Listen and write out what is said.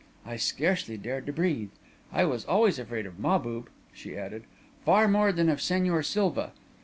I scarcely dared to breathe. I was always afraid of Mahbub," she added; "far more so than of Señor Silva.